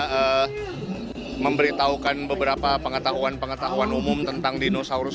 bapak renner juga memberitahukan beberapa pengetahuan pengetahuan umum tentang dinosaurus